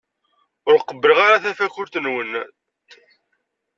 Ur qebbleɣ ara tafakult-nwent.